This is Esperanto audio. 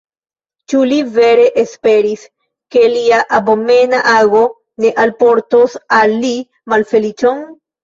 Ĉu li vere esperis, ke lia abomena ago ne alportos al li malfeliĉon?